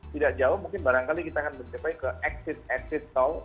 tidak jauh mungkin barangkali kita akan mencapai ke exit exit tol